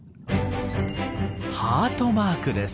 ハートマークです！